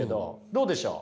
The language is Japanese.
どうでしょう？